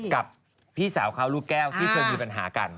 กับพี่สาวเขาลูกแก้วที่เคยมีปัญหากัน